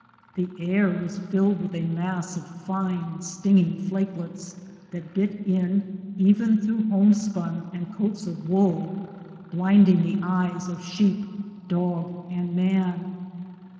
The air was filled with a mass of fine, stinging flakelets that bit in, even through homespun and coats of wool, blinding the eyes of sheep, dog, and man.